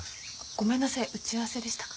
ごめんなさい打ち合わせでしたか？